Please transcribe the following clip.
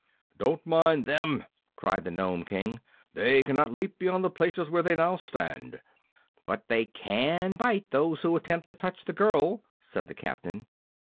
"Don't mind them!" cried the Nome King; "they cannot leap beyond the places where they now stand." "But they can bite those who attempt to touch the girl," said the captain.